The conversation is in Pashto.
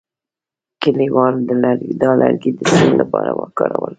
کلیوالو دا لرګي د سون لپاره وکارول.